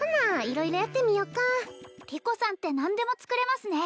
色々やってみよかリコさんって何でも作れますね